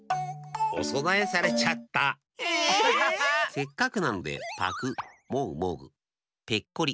せっかくなのでぱくもぐもぐペッコリ